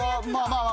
まあ